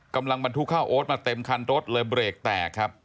บรรทุกข้าวโอ๊ตมาเต็มคันรถเลยเบรกแตกครับ